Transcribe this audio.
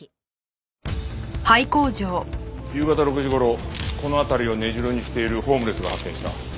夕方６時頃この辺りを根城にしているホームレスが発見した。